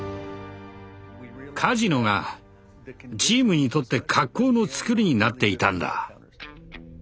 カジノがチームにとって格好のつくりになっていたんだ。